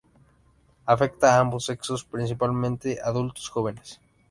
Afecta a ambos sexos, principalmente adultos jóvenes.